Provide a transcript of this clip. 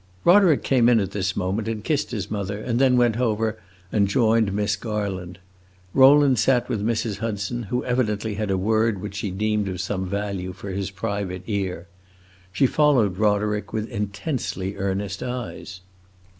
Roderick came in at this moment and kissed his mother, and then went over and joined Miss Garland. Rowland sat with Mrs. Hudson, who evidently had a word which she deemed of some value for his private ear. She followed Roderick with intensely earnest eyes.